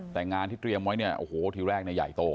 แต่งานที่เตรียมไว้เนี่ยโอ้โหทีแรกเนี่ยใหญ่โต